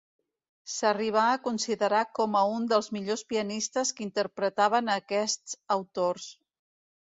S'arribà a considerar com a un dels millors pianistes que interpretaven a aquests autors.